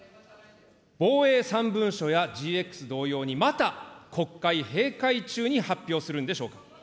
防衛３文書やＧＸ同様に、また国会閉会中に発表するんでしょうか。